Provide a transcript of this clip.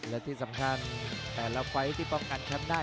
และที่สำคัญแต่ละไฟล์ที่ป้องกันแชมป์ได้